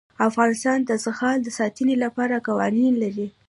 افغانستان د زغال د ساتنې لپاره قوانین لري.